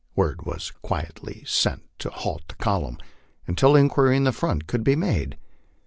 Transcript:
Word was quietly sent to halt the col umn until inquiry in front could be made.